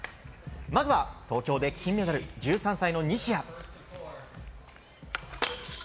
まずは、東京で金メダル１３歳の西矢。